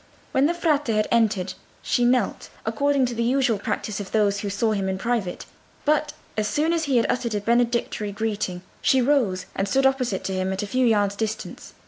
When the Frate had entered she knelt, according to the usual practice of those who saw him in private; but as soon as he had uttered a benedictory greeting she rose and stood opposite to him at a few yards' distance.